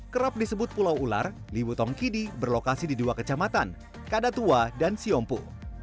kerap disebut pulau ular liwutongkidi berlokasi di dua kecamatan kadatua dan siompu